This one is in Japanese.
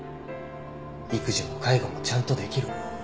育児も介護もちゃんとできる」